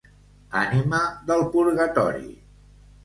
Ànima del purgatori!